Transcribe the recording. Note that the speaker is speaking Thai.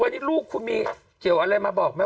วันนี้ลูกคุณมีเกี่ยวอะไรมาบอกไหม